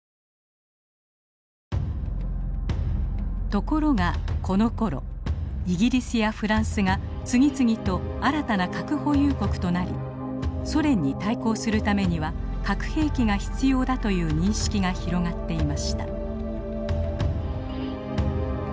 ところがこのころイギリスやフランスが次々と新たな核保有国となり「ソ連に対抗するためには核兵器が必要だ」という認識が広がっていました。